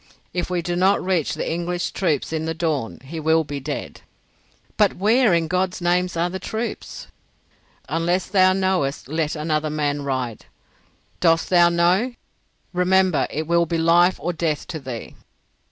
If we do not reach the English troops in the dawn he will be dead." "But where, in God's name, are the troops?" "Unless thou knowest let another man ride. Dost thou know? Remember it will be life or death to thee."